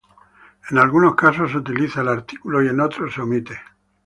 En algunos casos se utiliza el artículo, y en otros se omite.